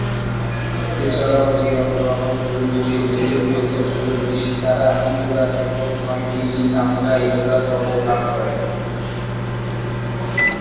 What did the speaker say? এছাড়াও জিয়াউর রহমানের ইউনিট এই যুদ্ধে বীরত্বের জন্য দুটি সিতারা-ই-জুরাত এবং নয়টি তামঘা-ই-জুরাত পদক লাভ করে।